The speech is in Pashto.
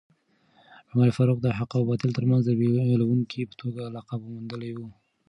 عمر فاروق د حق او باطل ترمنځ د بېلوونکي په توګه لقب موندلی و.